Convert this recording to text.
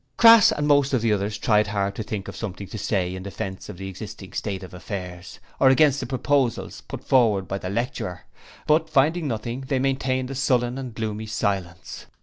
Crass and most of the others tried hard to think of something to say in defence of the existing state of affairs, or against the proposals put forward by the lecturer; but finding nothing, they maintained a sullen and gloomy silence.